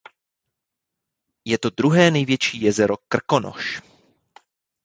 Je to druhé největší jezero "Krkonoš".